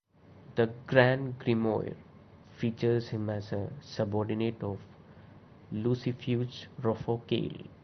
The "Grand Grimoire" features him as a subordinate of Lucifuge Rofocale.